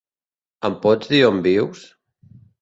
Em pots dir on vius?